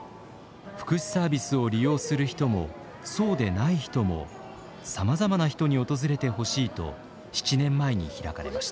福祉サービスを利用する人もそうでない人もさまざまな人に訪れてほしいと７年前に開かれました。